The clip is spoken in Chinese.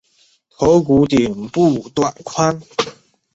头骨顶部短宽。